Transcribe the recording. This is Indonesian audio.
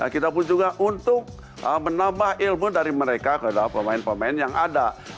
kita pun juga untuk menambah ilmu dari mereka kepada pemain pemain yang ada